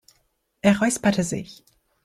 Er räusperte sich.